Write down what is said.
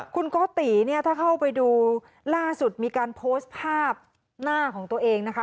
คุณโกติเนี่ยถ้าเข้าไปดูล่าสุดมีการโพสต์ภาพหน้าของตัวเองนะคะ